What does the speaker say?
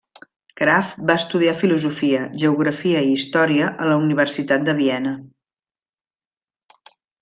Kraft va estudiar filosofia, geografia i història a la Universitat de Viena.